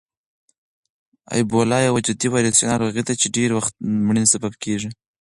اېبولا یوه جدي ویروسي ناروغي ده چې ډېری وخت د مړینې سبب کېږي.